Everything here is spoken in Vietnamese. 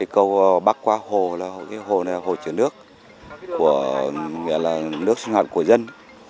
câu bắc qua hồ là hồ trường nước nghĩa là nước sinh hoạt của dân